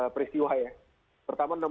peristiwa ya pertama